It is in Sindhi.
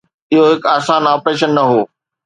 اهو هڪ آسان آپريشن نه هو.